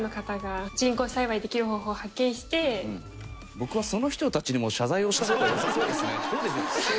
僕はその人たちにも謝罪をした方がよさそうですね。